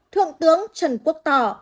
một thượng tướng trần quốc tò